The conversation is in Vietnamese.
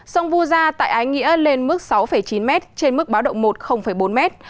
sông vu gia tại ái nghĩa lên mức sáu chín mét trên mức báo động một bốn mét